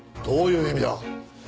どういう意味だ？